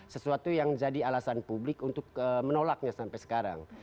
sesuatu yang jadi alasan publik untuk menolaknya sampai sekarang